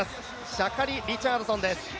シャカリ・リチャードソンです。